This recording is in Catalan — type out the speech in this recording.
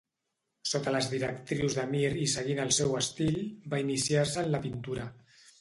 Sota les directrius de Mir i seguint el seu estil, va iniciar-se en la pintura.